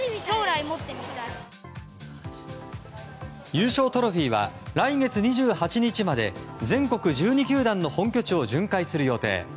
優勝トロフィーは来月２８日まで全国１２球団の本拠地を巡回する予定。